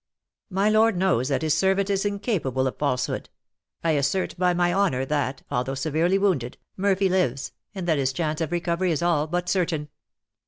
"My lord knows that his servant is incapable of a falsehood. I assert by my honour, that, although severely wounded, Murphy lives, and that his chance of recovery is all but certain."